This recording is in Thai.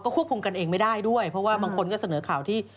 ควบคุมกันเองไม่ได้ด้วยเพราะว่าบางคนก็เสนอข่าวที่